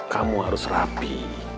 kamu harus rapi